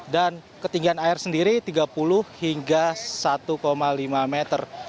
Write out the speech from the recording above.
dan ketinggian air sendiri tiga puluh hingga satu lima meter